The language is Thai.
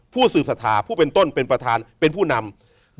สืบสถาผู้เป็นต้นเป็นประธานเป็นผู้นำ